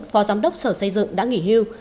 phó giám đốc sở xây dựng đã nghỉ hưu